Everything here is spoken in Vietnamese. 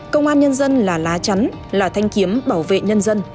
công an nhân dân là lá chắn là thanh kiếm bảo vệ nhân dân